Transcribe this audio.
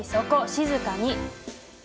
静かに。